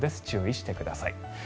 注意してください。